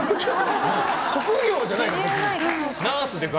職業じゃない！